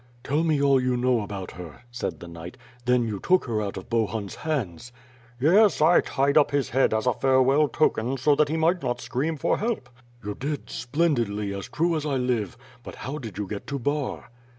"Tell me all you know about her," said the knight. "Then you took her out of Bohun's hands?" "Yes, I tied up his head as a farewell token so that he might not scream for help." "You did splendidly, as true as I live! But how did you get to Bar?"